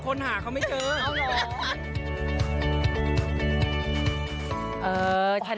คนหาเขาไม่เจอ